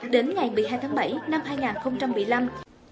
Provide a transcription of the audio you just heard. đến ngày một mươi hai tháng bảy năm hai nghìn một mươi năm